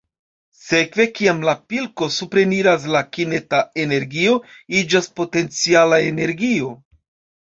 Sekve, kiam la pilko supreniras, la kineta energio iĝas potenciala energio.